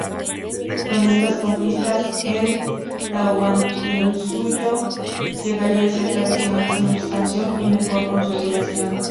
Con estas conquistas, el Tahuantinsuyo llegaría cerca de su máxima expansión y mejor consolidación.